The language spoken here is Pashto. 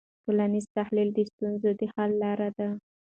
ټولنیز تحلیل د ستونزو د حل لاره ده.